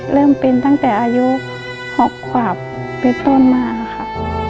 เริ่มเป็นตั้งแต่อายุ๖ขวบเป็นต้นมาค่ะ